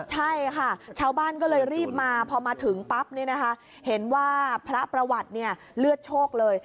ใช่ค่ะชาวบ้านก็เลยรีบมาพอมาถึงปั๊บเห็นว่าพระประวัติเนี่ยเลือดโชคเลย